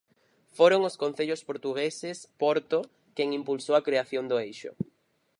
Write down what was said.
Foron os concellos portugueses, Porto, quen impulsou a creación do Eixo.